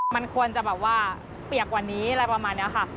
มันควรจะแบบว่าเปียกกว่านี้อะไรประมาณนี้ค่ะ